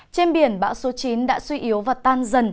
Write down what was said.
trên biển bão số chín đã suy yếu và tan dần